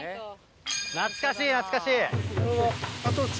懐かしい、懐かしい。